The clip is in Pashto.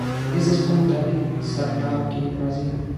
دې سیستم مطابق سرلارو کې راځي.